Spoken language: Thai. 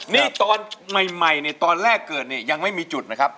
นี่ตอนใหม่ตอนแรกเกินยังไม่มีจุดนะครับ